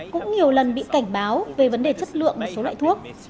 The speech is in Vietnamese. cũng nhiều lần bị cảnh báo về vấn đề chất lượng một số loại thuốc